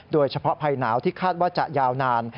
โดยเฉพาะภัยหนาวที่คาดว่าจะยาวนาน